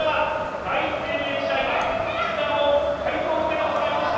第一生命時代は西澤も快走を見せたことがありました。